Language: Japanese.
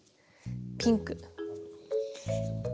ピンク。